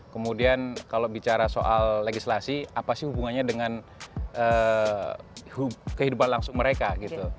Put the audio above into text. kemudian kalau bicara soal legislasi apa sih hubungannya dengan kehidupan langsung mereka gitu